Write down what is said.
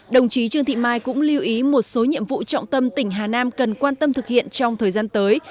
đồng chí trương thị mai cũng lưu ý một số nhiệm vụ trọng tâm tỉnh hà nam cần quan tâm thực hiện trong thời gian tới